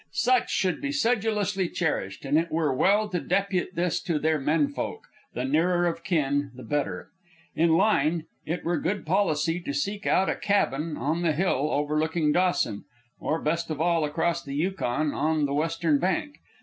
Such should be sedulously cherished, and it were well to depute this to their men folk, the nearer of kin the better. In line, it were good policy to seek out a cabin on the hill overlooking Dawson, or best of all across the Yukon on the western bank.